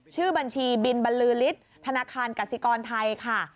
ชื่อบัญชีบินบรรลือฤทธิ์ธนาคารกสิกรไทยค่ะ